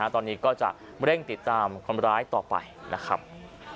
ตอนนี้ก็จะเร่งติดตามคนร้ายต่อไปนะครับ